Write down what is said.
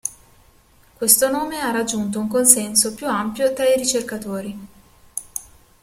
Questo nome ha raggiunto un consenso più ampio tra i ricercatori.